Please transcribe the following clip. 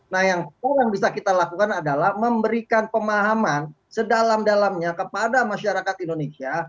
nah yang sekarang bisa kita lakukan adalah memberikan pemahaman sedalam dalamnya kepada masyarakat indonesia